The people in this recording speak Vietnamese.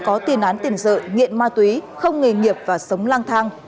có tiền án tiền sự nghiện ma túy không nghề nghiệp và sống lang thang